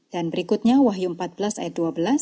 dan berikutnya wahyu empat belas ayat dua belas